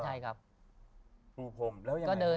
ใช่ครับภูพมแล้วยังไง